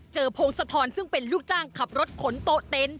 เจอโพงสะทอนซึ่งเป็นลูกจ้างขับรถขนโต๊ะเต้น